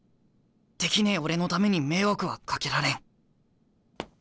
できねえ俺のために迷惑はかけられん。